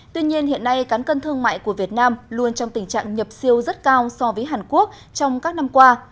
tuy nhiên hiện nay cán cân thương mại của việt nam luôn trong tình trạng nhập siêu rất cao so với hàn quốc trong các năm qua